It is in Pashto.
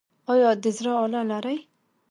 ایا د زړه آله لرئ؟